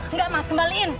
enggak mas kembalikan